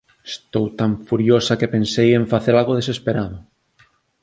Estou tan furiosa que pensei en facer algo desesperado.